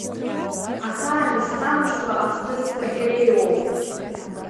Ахаан исхамышҭуа ахҭысқәа иреиуоуп…